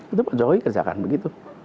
itu pak jokowi kerjakan begitu